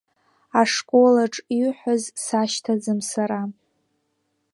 Ашколаҿ иуҳәаз сашьҭаӡам сара.